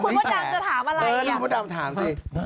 ทำไมว่าคุณโมทางจะถามอะไรกัน